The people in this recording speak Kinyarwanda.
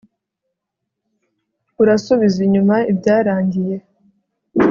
urasubiza inyuma ibyarangiye